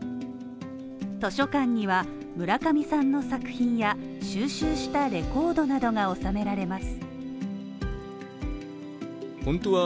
図書館には、村上さんの作品や収集したレコードなどが収められます。